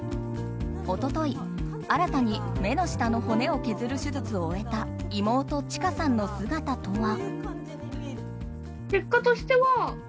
一昨日、新たに目の下の骨を削る手術を終えた妹ちかさんの姿とは。